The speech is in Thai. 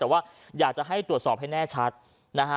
แต่ว่าอยากจะให้ตรวจสอบให้แน่ชัดนะฮะ